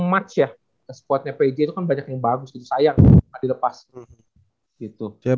maaf makasih cpl udah punya kesempatan bermain yang cukup execution